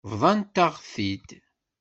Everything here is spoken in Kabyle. Bḍant-aɣ-t-id.